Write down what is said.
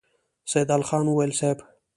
سيدال خان وويل: صېب!